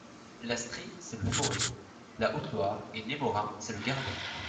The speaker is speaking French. L'Astrée, c'est le Forez, la Haute-Loire, et Némorin, c'est le Gardon.